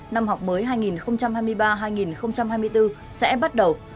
năm học mới hai nghìn hai mươi ba hai nghìn hai mươi bốn sẽ bắt đầu